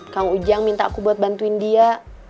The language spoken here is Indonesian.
kang ujang minta aku buat bantuin dia